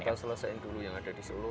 kita selesaikan dulu yang ada di solo